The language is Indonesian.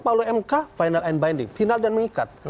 pak mk final line binding final dan mengikat